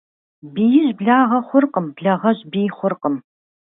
Биижь благъэ хъуркъым, благъэжь бий хъуркъым.